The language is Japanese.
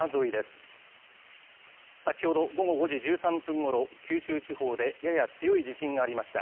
先ほど午後５時１３分ごろ、九州地方でやや強い地震がありました。